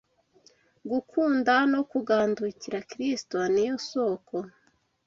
Gukunda no kugandukira Kristo ni yo sōko